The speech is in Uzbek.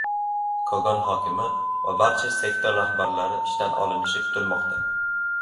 Kogon hokimi va barcha sektor rahbarlari ishdan olinishi kutilmoqda